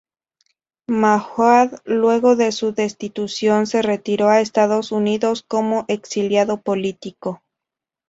Mahuad luego de su destitución se retiró a Estados Unidos como exiliado político.